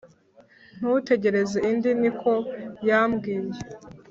ntutegereze indi niko yambiye!